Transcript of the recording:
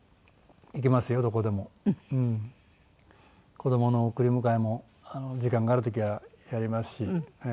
子どもの送り迎えも時間がある時はやりますし。